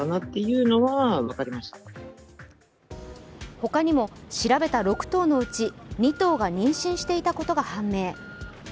ほかにも調べた６頭のうち２頭が妊娠していたことが判明。